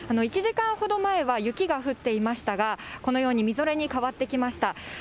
１時間ほど前は雪が降っていましたが、このようにみぞれに変わってきました。